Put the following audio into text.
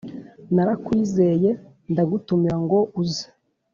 Narakwizeye ndagutumira ngo uze